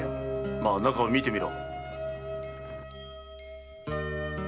まあ中を見てみろ。